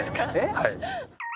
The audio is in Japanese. はい